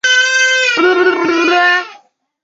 理论得到的答案必须符合实验测量的数据。